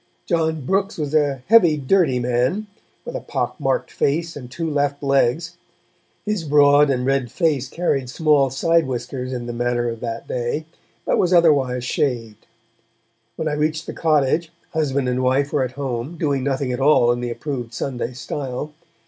John Brooks was a heavy dirty man, with a pock marked face and two left legs; his broad and red face carried small side whiskers in the manner of that day, but was otherwise shaved. When I reached the cottage, husband and wife were at home, doing nothing at all in the approved Sunday style.